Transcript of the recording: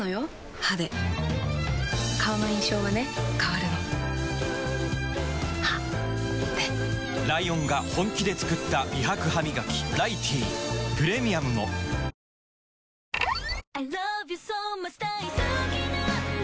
歯で顔の印象はね変わるの歯でライオンが本気で作った美白ハミガキ「ライティー」プレミアムも嘘とは